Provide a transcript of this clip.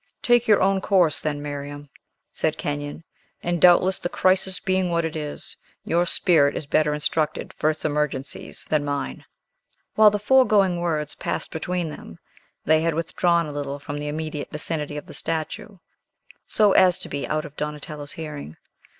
"Take your own course, then, Miriam," said Kenyon; "and, doubtless, the crisis being what it is, your spirit is better instructed for its emergencies than mine." While the foregoing words passed between them they had withdrawn a little from the immediate vicinity of the statue, so as to be out of Donatello's hearing.